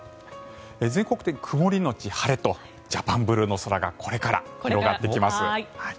全国的に曇りのち晴れとジャパンブルーの空がこれから広がってきます。